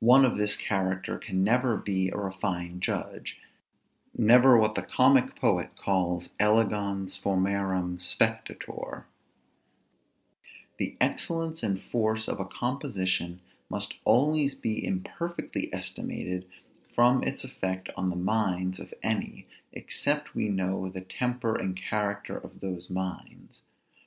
One of this character can never be a refined judge; never what the comic poet calls elegans formarum spectator. The excellence and force of a composition must always he imperfectly estimated from its effect on the minds of any, except we know the temper and character of those minds.